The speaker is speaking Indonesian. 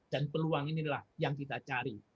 dan peluang inilah yang kita cari